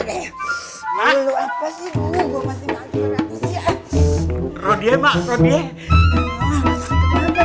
udah apa sih gue masih mabok